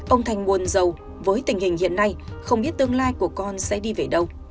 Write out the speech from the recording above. ông thành buồn giàu với tình hình hiện nay không biết tương lai của con sẽ đi về đâu